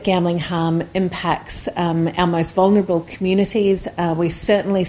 kami tahu bahwa dampak buruk mempengaruhi komunitas komunitas yang paling berpengaruh